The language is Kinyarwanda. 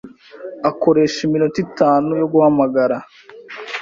akoresha iminota itanu yoguhamagara